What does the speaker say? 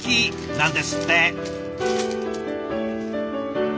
なんですって。